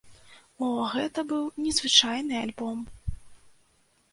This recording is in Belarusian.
О, гэта быў незвычайны альбом!